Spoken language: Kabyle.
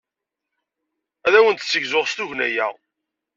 Ad awen-d-ssegzuɣ s tugna-a.